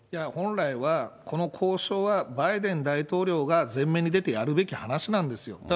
本来は、この交渉はバイデン大統領が前面に出てやるべき話なんですよ。